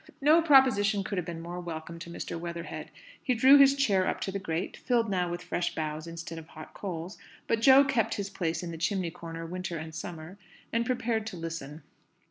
No proposition could have been more welcome to Mr. Weatherhead. He drew his chair up to the grate filled now with fresh boughs instead of hot coals; but Jo kept his place in the chimney corner winter and summer and prepared to listen.